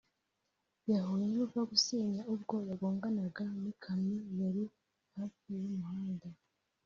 yahuye n’uruva gusenya ubwo yagonganaga n’ikamyo yari hafi y’umuhanda